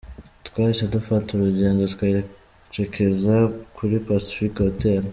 Twahise dufata urugendo twerekeza kuri Pacific hotel.